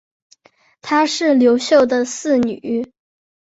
她是刘秀的四女。